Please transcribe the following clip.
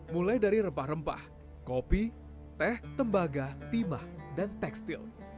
mulai dari rempah rempah kopi teh tembaga timah dan tekstil